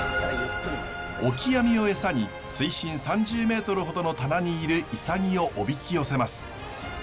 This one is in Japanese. オキアミをエサに水深３０メートルほどのタナにいるイサギをおびき寄せます。